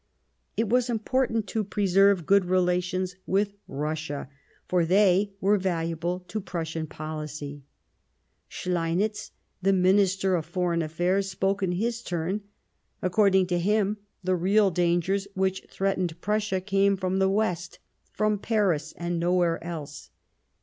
It was important to preserve good relations with Russia, for they were valuable to Prussian policy, Schleinitz, the Minister of Foreign Affairs, spoke in his turn ; according to him, the real dangers which threatened Prussia came from the West, from Paris and nowhere else.